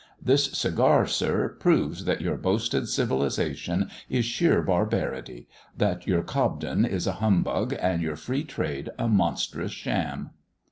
This cigar, Sir, proves that your boasted civilisation is sheer barbarity, that your Cobden is a humbug, and your free trade a monstrous sham!"